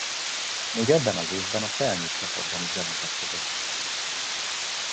Még ebben az évben a felnőtt csapatban is bemutatkozott.